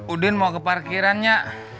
udin mau ke parkirannya